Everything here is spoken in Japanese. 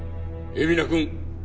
海老名君。